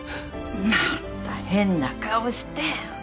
また変な顔して！